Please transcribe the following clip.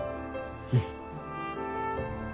うん。